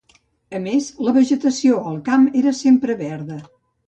A més, la vegetació al camp era sempre verda.